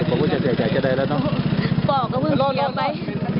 โปรดติดตามต่อไป